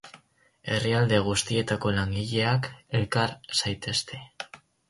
Herrialde guztietako langileak, elkar zaitezte!